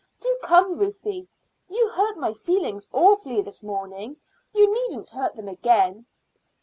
Do come, Ruthie. You hurt my feelings awfully this morning; you needn't hurt them again."